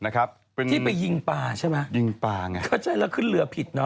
เข้าใจแล้วคือเรือผิดอ่อ